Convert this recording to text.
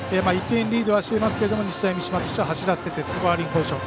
１点リードはしていますけど日大三島としては走らせてスコアリングポジション。